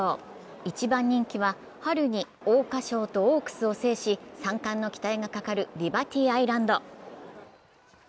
１番人気は春に桜花賞とオークスを制し３冠の期待がかかるリバティアイランド。